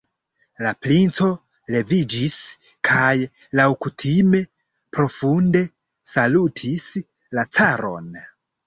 La princo leviĝis kaj laŭkutime profunde salutis la caron.